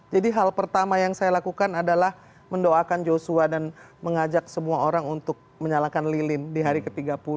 jadi hal pertama yang saya lakukan adalah mendoakan joshua dan mengajak semua orang untuk menyalakan lilin di hari ke tiga puluh